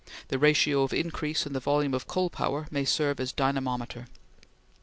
The ratio of increase in the volume of coal power may serve as dynamometer.